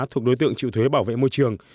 thuộc đối tượng trịu thuế bảo vệ môi trường